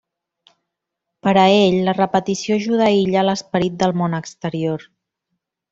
Per a ell, la repetició ajuda a aïllar l'esperit del món exterior.